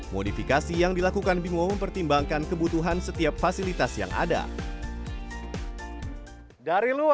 modifikasi yang dilakukan bimo mempertimbangkan kebutuhan setiap fasilitas yang ada dari luar